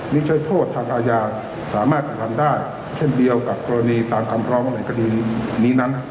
นี่ใช้โทษทางอาญาสามารถกระทำได้เช่นเดียวกับกรณีตามคำร้องในคดีนี้นั้น